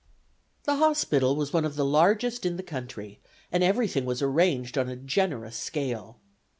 The hospital was one of the largest in the country, and everything was arranged on a generous scale.